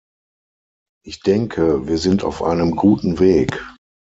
Ich denke, wir sind auf einem guten Weg.